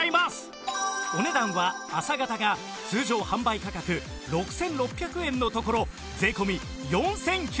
お値段は浅型が通常販売価格６６００円のところ税込４９９０円